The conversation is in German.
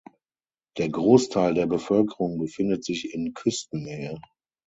Der Großteil der Bevölkerung befindet sich in Küstennähe.